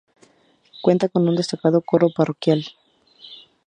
Cuenta con un destacado coro parroquial.